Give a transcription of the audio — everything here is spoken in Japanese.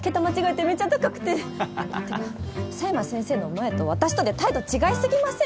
ってか佐山先生の前と私とで態度違いすぎません？